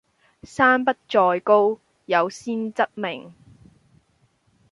山不在高，有仙則名